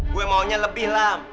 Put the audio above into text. gue maunya lebih lah